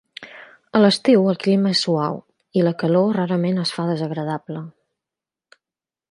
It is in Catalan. A l'estiu el clima és suau, i la calor, rarament es fa desagradable.